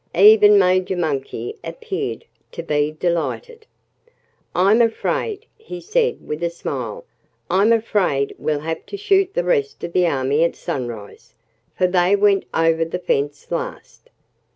Even Major Monkey appeared to be delighted. "I'm afraid" he said with a smile "I'm afraid we'll have to shoot the rest of the army at sunrise, for they went over the fence last."